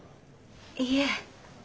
いいえ。